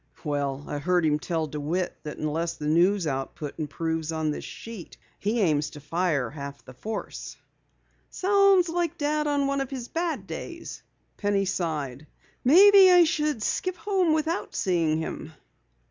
"Well, I heard him tell DeWitt that unless the news output improves on this sheet, he aims to fire half the force." "Sounds like Dad on one of his bad days," Penny sighed. "Maybe I should skip home without seeing him."